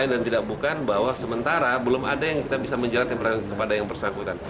dan tidak bukan bahwa sementara belum ada yang kita bisa menjerat kepada yang bersangkutan